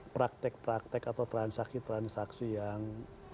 praktek praktek atau transaksi transaksi yang